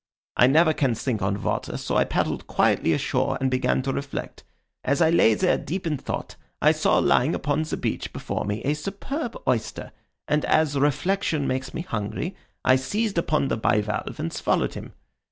I never can think on water, so I paddled quietly ashore and began to reflect. As I lay there deep in thought, I saw lying upon the beach before me a superb oyster, and as reflection makes me hungry I seized upon the bivalve and swallowed him.